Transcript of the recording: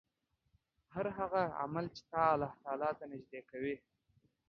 هر هغه عمل چې تا الله تعالی ته نژدې کوي